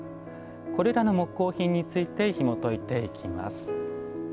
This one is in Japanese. これらの木工品についてひもといていきます。